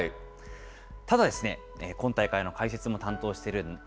ただですね、今大会の解説も担当している元